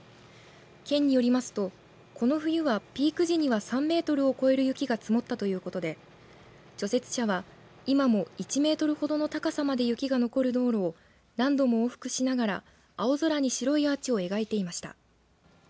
県によりますと、この冬はピーク時には３メートルを超える雪が積もったということで除雪車は今も１メートルほどの高さまで雪が残る道路を何度も往復しながら青空に白いアーチを描いていました。